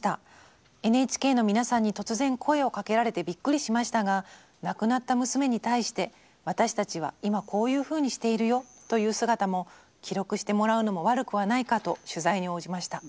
ＮＨＫの皆さんに突然声をかけられてびっくりしましたが亡くなった娘に対して私たちは今こういうふうにしているよという姿も記録してもらうのも悪くはないかと取材に応じました。